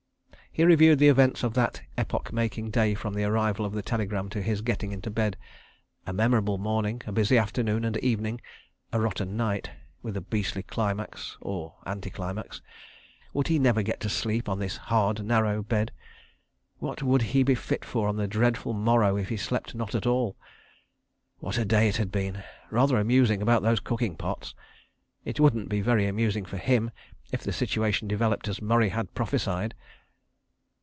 ... He reviewed the events of that epoch making day from the arrival of the telegram to his getting into bed. ... A memorable morning, a busy afternoon and evening, a rotten night—with a beastly climax—or anti climax. ... Would he never get to sleep on this hard, narrow bed? ... What would he be fit for on the dreadful morrow if he slept not at all? ... What a day it had been! Rather amusing about those cooking pots. It wouldn't be very amusing for him if the situation developed as Murray had prophesied.